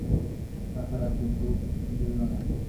তা ছাড়া সে খুব সুন্দরীও না।